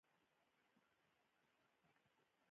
احمد ښې قطعې نه وېشي؛ ما ته سم لاس نه راکوي.